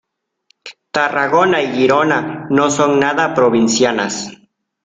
Tarragona y Girona no son nada provincianas.